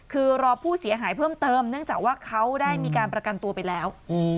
คือรอผู้เสียหายเพิ่มเติมเนื่องจากว่าเขาได้มีการประกันตัวไปแล้ว